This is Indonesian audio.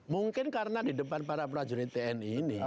mungkin karena di depan para prajurit tni ini